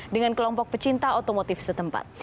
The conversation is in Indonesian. dengan kelompok pecinta otomotif setempat